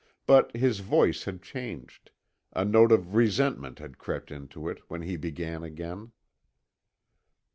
But his voice had changed, a note of resentment had crept into it, when he began again.